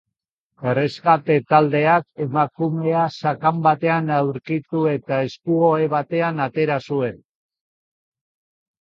Erreskate taldeak emakumea sakan batean aurkitu eta esku-ohe batean atera zuen.